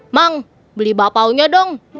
mang beli bakpaonya dong